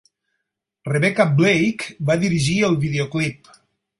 Rebecca Blake va dirigir el videoclip.